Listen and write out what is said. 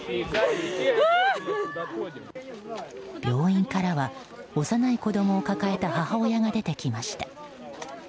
病院からは、幼い子供を抱えた母親が出てきました。